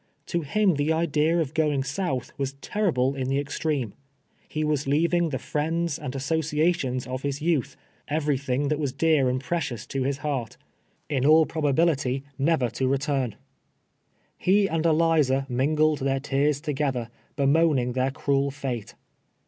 To him the idea of going south was ter rible in the extreme. He was leaving the friends and associations of his youth — every thing that was dear and precious to his heart — in all prohability never EEEAKFAST OX THE STEAiTEE. 57 to return. lie and. Eliza mingled their tears together, bemoaning their cruel f;ite.